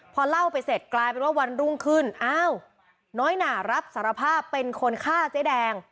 พอเล่าไปเสร็จกลายเป็นว่าวันรุ่งขึ้นอ้าวน้อยหนารับสารภาพเป็นคนฆ่าเจ๊แดง